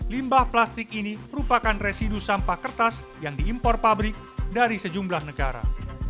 limbah plastik ini merupakan residu sampah kertas yang diimpor pabrik dari sejumlah negara